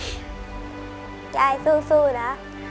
ยายสู้นะ